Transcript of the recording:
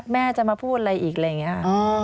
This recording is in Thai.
แม่จะมาพูดอะไรอีกอะไรอย่างนี้